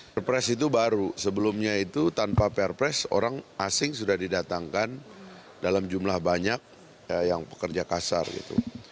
perpres itu baru sebelumnya itu tanpa perpres orang asing sudah didatangkan dalam jumlah banyak yang pekerja kasar gitu